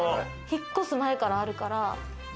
引っ越す前からあるから。